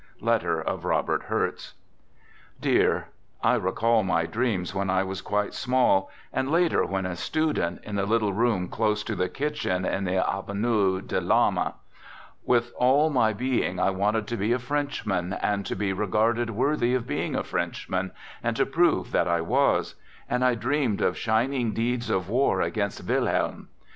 (Letter of Robert Hertz) Dear, I recall my dreams when I was quite small, and later when a student, in the little room close to 62 Digitized by THE GOOD SOLDIER " 63 the kitchen, in the Avenue de TAlma. With all my being I wanted to be a Frenchman, and to be re garded worthy of being a Frenchman, and to prove that I was ; and I dreamed of shining deeds of war against Wilhelm.